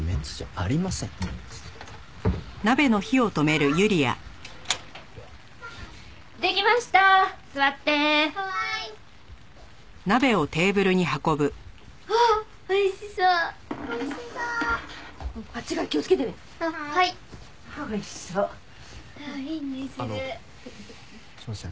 あのすいません